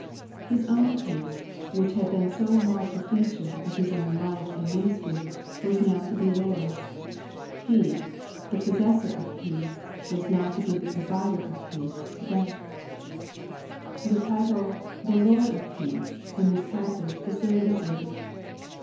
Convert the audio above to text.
His own peace, which had been so marked a feature of His own life and ministry, was now to be theirs. He, the possessor of peace, was now to be the provider of peace to them. 52 Love and Peace The title, "The Lord of peace," in this passage is very noteworthy.